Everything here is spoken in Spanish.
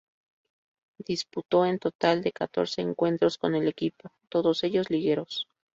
Disputó un total de catorce encuentros con el equipo, todos ellos ligueros.